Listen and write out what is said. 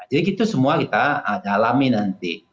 jadi itu semua kita dalami nanti